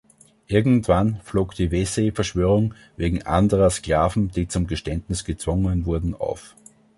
Irgendwann flog die Vesey-Verschwörung wegen anderer Sklaven, die zum Geständnis gezwungen wurden, auf.